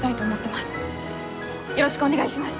よろしくお願いします！